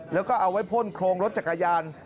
แล้วก็เอาไว้พ่นโครงรถจักรยาน